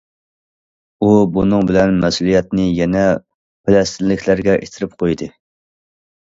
ئۇ بۇنىڭ بىلەن مەسئۇلىيەتنى يەنە پەلەستىنلىكلەرگە ئىتتىرىپ قويدى.